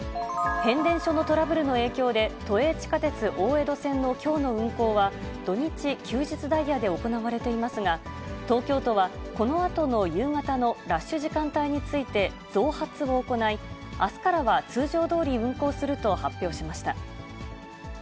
変電所のトラブルの影響で、都営地下鉄大江戸線のきょうの運行は、土日・休日ダイヤで行われていますが、東京都はこのあとの夕方のラッシュ時間帯について、増発を行い、あすからは通常どおり運行すると発表しました。